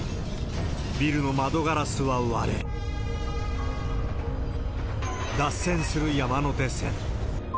ビルの窓ガラスは割れ、脱線する山手線。